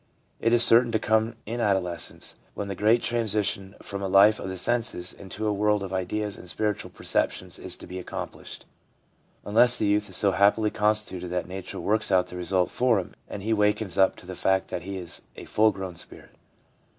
It is certain to come in adolescence, when the great transition from a life of the senses into a world of ideas and spiritual perceptions is to be accomplished, unless the youth is so happily constituted that nature works out the result for him and he wakens up to the fact that he is a full grown spirit.